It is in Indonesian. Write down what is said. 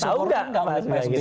tahu nggak pak sby